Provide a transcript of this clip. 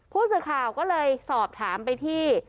ผู้สื่อข่าวก็เลยสอบถามไปที่